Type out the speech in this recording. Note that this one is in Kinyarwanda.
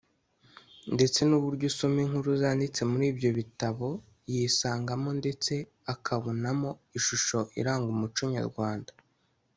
ndetse n’uburyo usoma inkuru zanditse muri ibyo bitabo yisangamo ndetse akabonamo ishusho iranga umuco nyarwanda